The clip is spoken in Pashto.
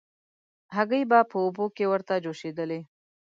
هګۍ به په اوبو کې ورته جوشېدلې.